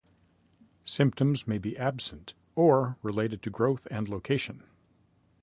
Symptoms may be absent or related to growth and location.